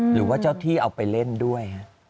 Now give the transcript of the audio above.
หรือว่าเจ้าที่เอาไปเล่นด้วย